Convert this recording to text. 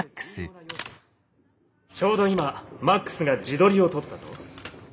ちょうど今マックスが自撮りを撮ったぞ。